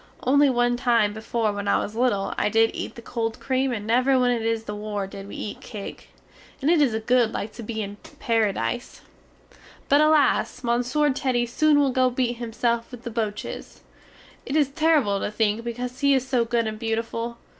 Only one time before when I was little I did eat the cold cream and never when it is the war did we eat cake. And it is good like to be in Paradise! But alas! Monsieur Teddy soon will go beat himself with the boches! It is terrible to think because he is so good and beautiful!